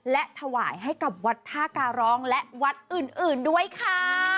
และถวายให้กับวัดท่าการร้องและวัดอื่นด้วยค่ะ